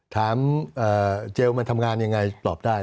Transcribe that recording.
ถามเจลมันทำงานอย่างไรตอบได้